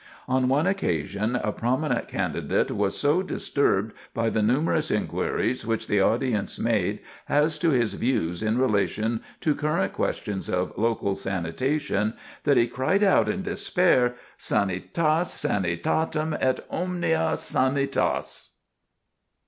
On one occasion a prominent candidate was so disturbed by the numerous inquiries which the audience made as to his views in relation to current questions of local sanitation, that he cried out in despair, "_Sanitas sanitatum, et omnia sanitas!